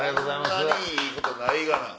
こんなにいいことないがな。